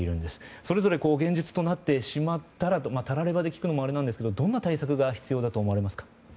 それぞれ現実となってしまったらたらればで聞くのもあれですがどんな対策が必要だと思われますか？